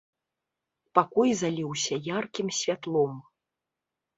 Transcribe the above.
Пакой заліўся яркім святлом.